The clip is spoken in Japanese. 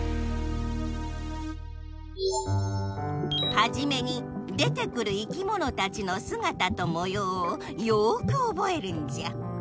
はじめに出てくる生きものたちのすがたともようをよくおぼえるんじゃ。